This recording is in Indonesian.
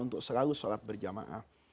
untuk selalu sholat berjamaah